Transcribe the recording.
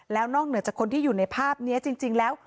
แล้วนอกเหนือจากคนที่อยู่ในภาพนี้จริงแล้ว